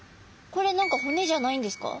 これ何か骨じゃないんですか？